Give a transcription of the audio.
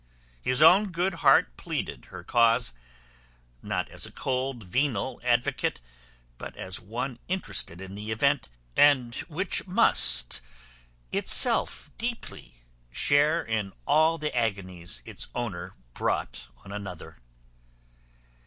His own good heart pleaded her cause; not as a cold venal advocate, but as one interested in the event, and which must itself deeply share in all the agonies its owner brought on another.